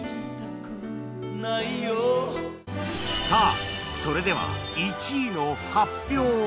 さあそれでは１位の発表